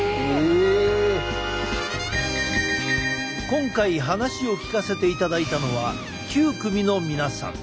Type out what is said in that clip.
今回話を聞かせていただいたのは９組の皆さん。